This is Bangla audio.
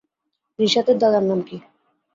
রিশাতের দাদার নাম কী?